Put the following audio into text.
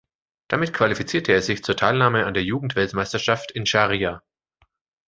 Damit qualifizierte er sich zur Teilnahme an der Jugend-Weltmeisterschaft in Sharjah.